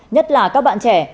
nhất là các bạn trẻ